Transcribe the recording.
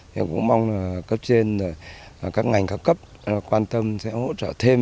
mình cũng mong là cấp trên các ngành khắc cấp quan tâm sẽ hỗ trợ thêm